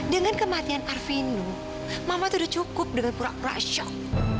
dengan kematian arvino mama tidak cukup dengan pura pura shock